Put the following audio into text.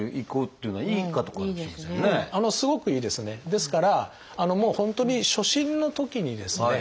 ですからもう本当に初診のときにですね